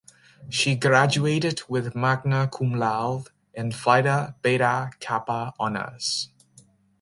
She graduated with magna cum laude and Phi Beta Kappa honors.